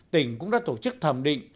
tỉnh cũng đã tổ chức thẩm định